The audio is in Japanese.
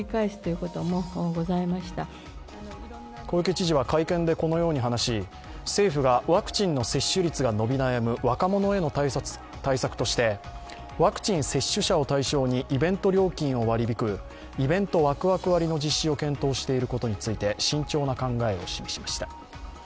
小池知事は会見でこのように話し、政府がワクチンの接種率が伸び悩む若者への対策として、ワクチン接種者を対象にイベント料金を割り引くイベントワクワク割の実施を検討していることについて慎重な考えを示しました。